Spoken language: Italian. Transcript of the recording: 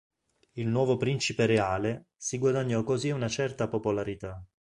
Il nuovo Principe Reale, si guadagnò così una certa popolarità.